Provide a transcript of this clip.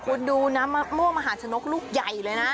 คุณดูนะมั่วมหาชนกลูกใหญ่เลยนะ